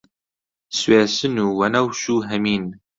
سوێسن و وەنەوش و هەمین